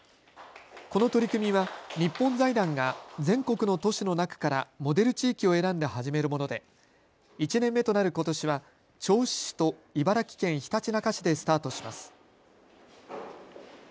この取り組みは日本財団が全国の都市の中からモデル地域を選んで始めるもので１年目となることしは銚子市と茨城県ひたちなか市でスタートします。